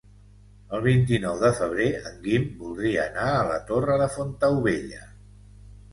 El vint-i-nou de febrer en Guim voldria anar a la Torre de Fontaubella.